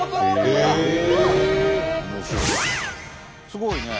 すごいね。